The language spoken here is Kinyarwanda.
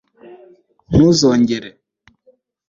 ntuzongere